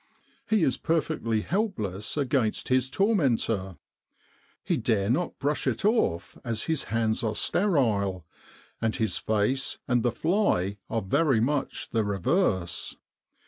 He is perfectly helpless against his tormentor. He dare not brush it off as his hands are sterile, and his face and the fly are very much the reverse.